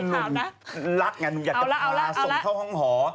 หนุ่มรักงานหนูอยากจะส่งเข้าห้องหอ